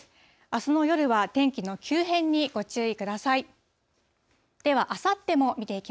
あすの夜は天気の急変にご注意ください。